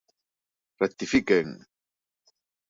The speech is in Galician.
¡Rectifiquen!